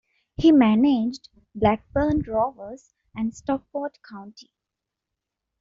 He managed Blackburn Rovers and Stockport County.